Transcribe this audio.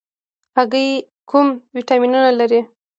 هګۍ کوم ویټامینونه لري؟